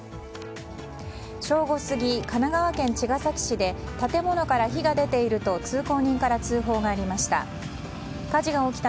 正午過ぎ、神奈川県茅ヶ崎市で建物から火が出ていると通行人から通報がありました。